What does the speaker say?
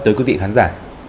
tới quý vị khán giả